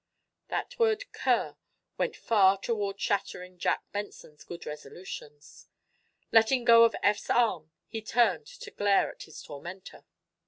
That word "cur" went far toward shattering Jack Benson's good resolutions. Letting go of Eph's arm he turned to glare at his tormentor.